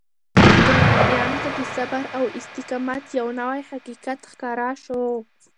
ګاونډیانو ته د صبر او استقامت یو نوی حقیقت ښکاره شو.